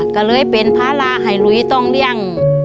ก็เลยเป็นภาระให้ลุยต้องเลี่ยง